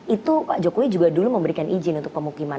itu pak jokowi juga dulu memberikan izin untuk pemukiman